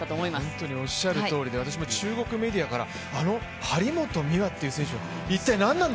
本当におっしゃるとおりで私も中国メディアからあの張本美和っていう選手は一体なんなんだ？